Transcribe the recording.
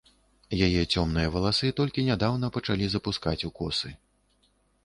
Яе цёмныя валасы толькі нядаўна пачалі запускаць у косы.